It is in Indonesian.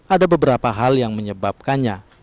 ada beberapa hal yang menyebabkannya